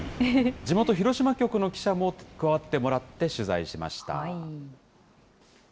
地元、広島局の記者も加わってもらって取材しました。